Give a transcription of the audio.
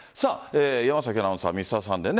山崎アナウンサー「Ｍｒ．サンデー」